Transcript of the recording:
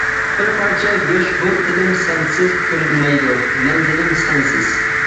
بىر پارچە گۆش بۇ تىلىم سەنسىز، كۆرۈنمەيدۇ مەنزىلىم سەنسىز.